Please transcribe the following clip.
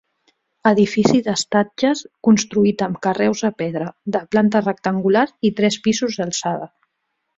Edifici d'estatges construït amb carreus de pedra; de planta rectangular i tres pisos d'alçada.